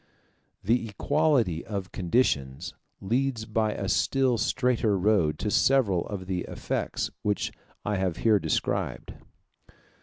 The equality of conditions leads by a still straighter road to several of the effects which I have here described.